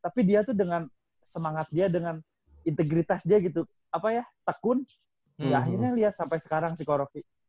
tapi dia tuh dengan semangat dia dengan integritas dia gitu apa ya tekun ya akhirnya lihat sampai sekarang sih kok rocky